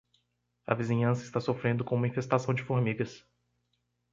A vizinhança está sofrendo com uma infestação de formigas